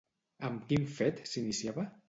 Amb quin fet s'iniciava?